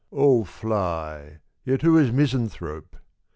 ALL fly — yet who is misanthrope